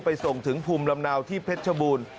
ส่งถึงภูมิลำเนาที่เพชรชบูรณ์